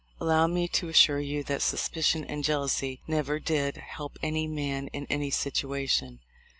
Allow me to assure you that suspicion and jealousy never did help any man in any situation.